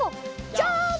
ジャンプ！